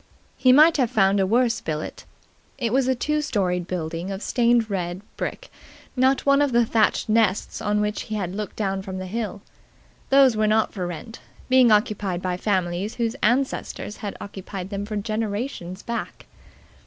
He might have found a worse billet. It was a two storied building of stained red brick, not one of the thatched nests on which he had looked down from the hill. Those were not for rent, being occupied by families whose ancestors had occupied them for generations back.